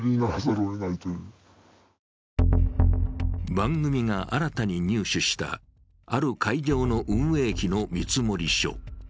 番組が入手した、ある会場の運営費の見積書。